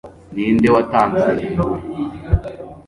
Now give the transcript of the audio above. ninde watanze imburi